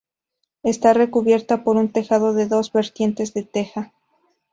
Está recubierta por un tejado de dos vertientes de teja.